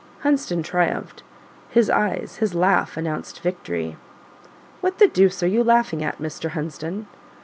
Hunsden triumphed: his eyes his laugh announced victory. "What the deuce are you laughing at, Mr. Hunsden?"